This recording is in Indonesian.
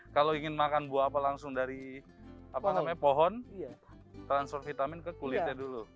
kalau ingin makan buah apa langsung dari pohon transfer vitamin ke kulitnya dulu